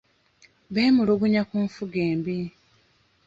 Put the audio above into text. Beemulugunya ku nfuga embi.